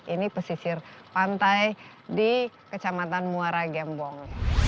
ini pesisir pantai di kecamatan muara gembong